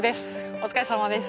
お疲れさまです。